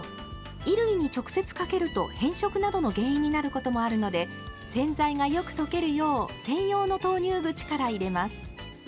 衣類に直接かけると変色などの原因になることもあるので洗剤がよく溶けるよう専用の投入口から入れます。